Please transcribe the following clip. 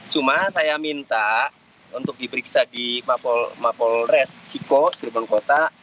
cuma saya minta untuk diperiksa di mapol res ciko cirebon kota